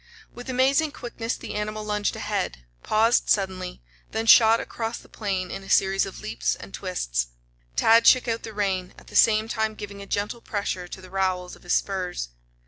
With amazing quickness the animal lunged ahead, paused suddenly, then shot across the plain in a series of leaps and twists. Tad shook out the rein, at the same time giving a gentle pressure to the rowels of his spurs.